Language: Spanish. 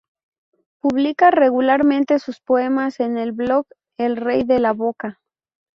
Publica regularmente sus poemas en su blog El Rey de la Boca.